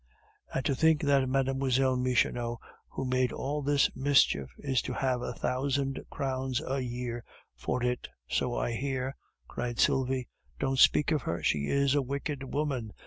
"And to think that Mlle. Michonneau who made all this mischief is to have a thousand crowns a year for it, so I hear," cried Sylvie. "Don't speak of her, she is a wicked woman!"